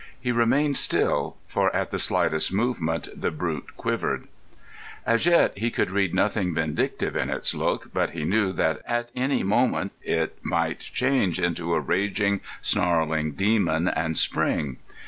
He remained still, for at the slightest movement the brute quivered. As yet he could read nothing vindictive in its look, but he knew that at any moment it might change into a raging, snarling demon and spring.